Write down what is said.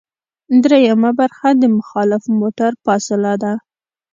دریمه برخه د مخالف موټر فاصله ده